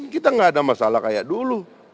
kita nggak ada masalah kayak dulu